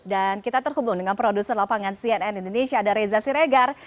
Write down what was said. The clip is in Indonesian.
dan kita terhubung dengan produser lapangan cnn indonesia ada reza siregar